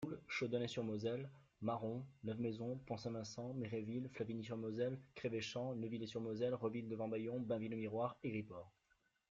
Toul, Chaudeney-sur-Moselle, Maron, Neuves-Maisons, Pont-Saint-Vincent, Méréville, Flavigny-sur-Moselle, Crévéchamps, Neuviller-sur-Moselle, Roville-devant-Bayon, Bainville-aux-Miroirs et Gripport.